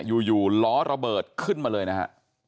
อยู่ล้อระเบิดขึ้นมาเลยนะฮะ